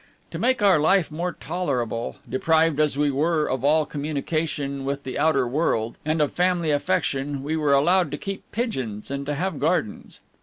To make our life more tolerable, deprived as we were of all communication with the outer world and of family affection, we were allowed to keep pigeons and to have gardens.